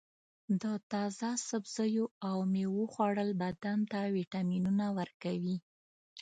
د تازه سبزیو او میوو خوړل بدن ته وټامینونه ورکوي.